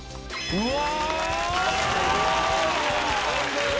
うわ！